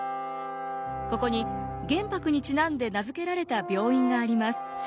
ここに玄白にちなんで名付けられた病院があります。